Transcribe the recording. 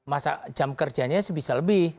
masa jam kerjanya bisa lebih